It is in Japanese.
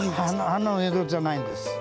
花の色じゃないんです。